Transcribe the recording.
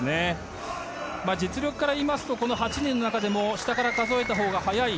実力から言いますとこの８人の中でも下から数えたほうが早い。